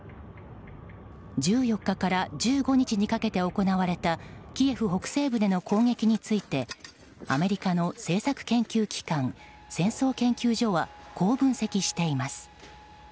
１４日から１５日にかけて行われたキエフ北西部での攻撃についてアメリカの政策研究機関戦争研究所はこう分析しています。